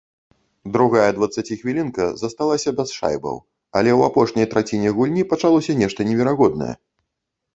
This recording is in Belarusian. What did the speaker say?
Другая дваццаціхвілінка засталася без шайбаў, але ў апошняй траціне гульні пачалося нешта неверагоднае.